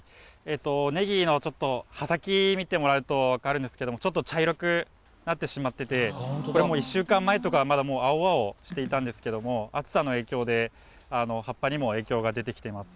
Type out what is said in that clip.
ねぎの、ちょっと葉先を見てもらうと分かるんですけども、ちょっと茶色くなってしまってて、これ、もう１週間前とかは青々してたんですけど、暑さの影響で、葉っぱにも影響が出てきてます。